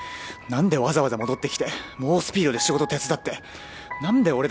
なんでわざわざ戻ってきて猛スピードで仕事手伝ってなんで